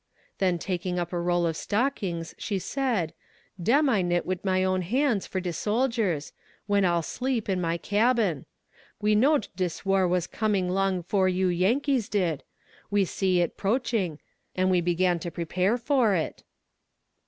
Then taking up a roll of stockings, she said: "Dem I knit wid my own hands for de soldiers, when all sleep, in my cabin. We know'd dis war was comin' long 'fore you Yankees did. We see it 'proaching, an' we began to prepare for it."